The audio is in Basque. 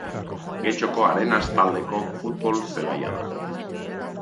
Getxoko Arenas taldeko futbol zelaia da.